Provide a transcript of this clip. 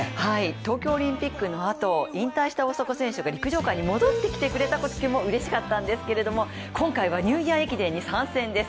東京オリンピックのあと、引退した大迫選手が陸上界に戻ってきてくれたときもうれしかったんですけども、今回はニューイヤー駅伝に参戦です。